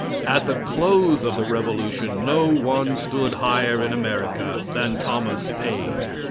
At the close of the Revolution no one stood higher in America than Thomas Paine.